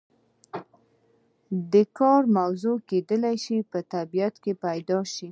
د کار موضوع کیدای شي په طبیعت کې پیدا شي.